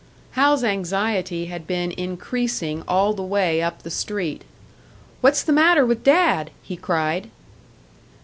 Hal's anxiety had been increasing all the way up the street. "What's the matter with Dad?" he cried.